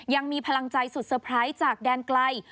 ยังมีพลังใจสุดเตอร์ไพรส์จากแดนไกล